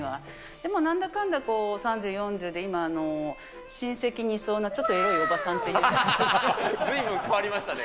でもなんだかんだ３０、４０で今、親戚にいそうなちょっとエロいおばさんっていうね。